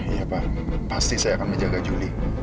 iya pak pasti saya akan menjaga juli